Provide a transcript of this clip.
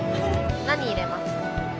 何入れますか？